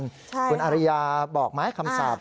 คุณอริยาบอกไหมคำศัพท์